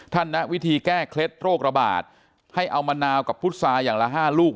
ณวิธีแก้เคล็ดโรคระบาดให้เอามะนาวกับพุษาอย่างละ๕ลูก